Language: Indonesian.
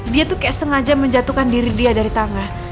dia tuh kayak sengaja menjatuhkan diri dia dari tangan